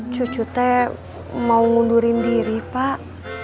cucu teh mau ngundurin diri pak